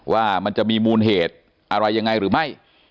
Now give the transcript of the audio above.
ว่ามันจะมีมูลเหตุอะไรยังไงหรือไม่